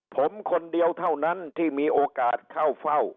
ผมคนเดียวเท่านั้นที่มีโอกาสเข้าเฝ้า